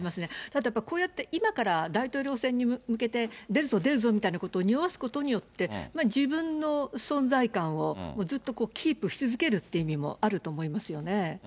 ただ、こうやって今から大統領選に向けて出るぞ出るぞみたいなことをにおわすことによって、自分の存在感をずっとこう、キープし続けるっていう意味もあると思いますよね。